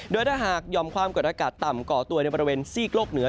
โดยถ้าหากยอมความกดอากาศต่ำก่อตัวในบริเวณซีกโลกเหนือ